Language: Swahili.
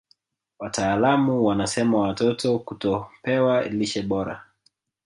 wataalamu wanasema watoto kutopewa lishe bora